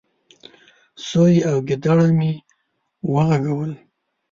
. سوی او ګيدړه مې وغږول،